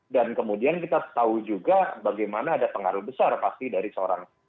dan kemudian kita tahu juga bagaimana ada pengaruh besar pasti dari seorang